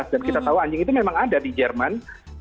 dan kita tahu anjing itu memang ada di jerman